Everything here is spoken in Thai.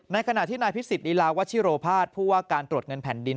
ขณะที่นายพิสิทธีลาวัชิโรภาษย์ผู้ว่าการตรวจเงินแผ่นดิน